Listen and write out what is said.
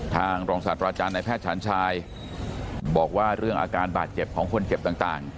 รองศาสตราจารย์ในแพทย์ฉันชายบอกว่าเรื่องอาการบาดเจ็บของคนเจ็บต่าง